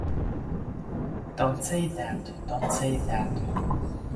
Don't say that, don't say that.